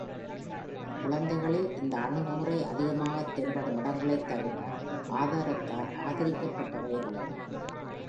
குழந்தைகளில் இந்த அணுகுமுறை அதிகமாக தென்படும் இடங்களைத் தவிர, ஆதாரத்தால் ஆதரிக்கப்பட்டவை அல்ல.